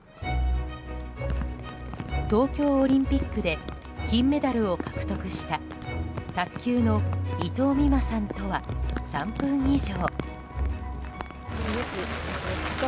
東京オリンピックで金メダルを獲得した卓球の伊藤美誠さんとは３分以上。